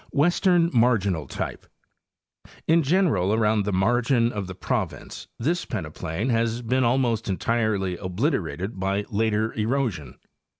Western marginal Type:—In general around the margin of the province this peneplain has been almost entirely obliterated by later erosion.